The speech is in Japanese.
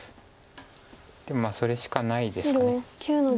でもまあそれしかないですか。